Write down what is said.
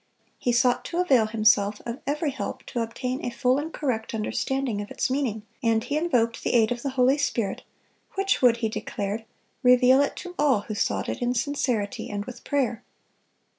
He sought to avail himself of every help to obtain a full and correct understanding of its meaning, and he invoked the aid of the Holy Spirit, which would, he declared, reveal it to all who sought it in sincerity and with prayer.